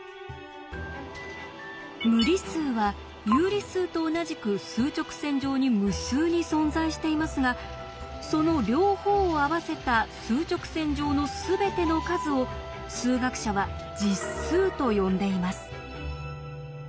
無理数は有理数と同じく数直線上に無数に存在していますがその両方を合わせた数直線上のすべての数を数学者は「実数」と呼んでいます。